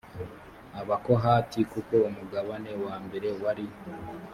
abakohati kuko umugabane wa mbere wari